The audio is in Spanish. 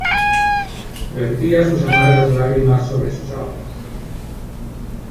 Vertía sus amargas lágrimas sobre sus aguas.